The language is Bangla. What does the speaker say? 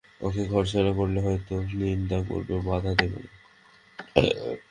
ওঁকে ঘরছাড়া করলে হয়তো নিন্দা করবে, বাধা দেবে না।